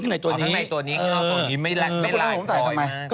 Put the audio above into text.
กลับออกตัวนี้เอาตัวนี้ไม่ไหล่พอ